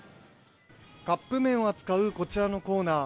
カップ麺を扱うこちらのコーナー。